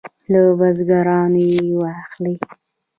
له بزګرانو یې واخلي.